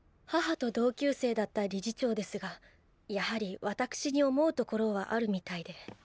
母と同級生だった理事長ですがやはりわたくしに思うところはあるみたいで。